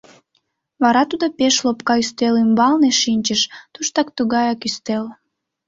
Вара тудо пеш лопка ӱстел ӱмбалне шинчыш, туштак тугаяк ӱстел.